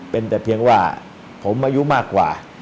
เป็นแต่เพียงว่าผมอายุมากกว่า